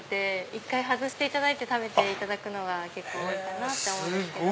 １回外していただいて食べていただくのがいいかなって思うんですけど。